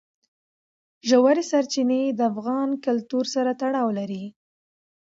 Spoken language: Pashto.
ژورې سرچینې د افغان کلتور سره تړاو لري.